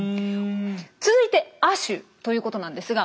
続いて亜種ということなんですが